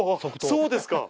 そうですか。